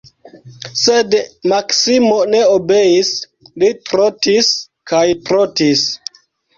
Sed Maksimo ne obeis, li trotis kaj trotis.